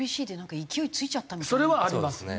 それはあります。